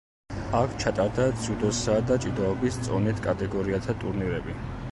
აქ ჩატარდა ძიუდოსა და ჭიდაობის წონით კატეგორიათა ტურნირები.